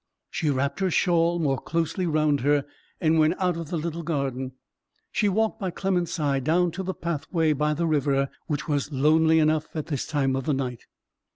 She wrapped her shawl more closely round her, and went out of the little garden. She walked by Clement's side down to the pathway by the river, which was lonely enough at this time of the night.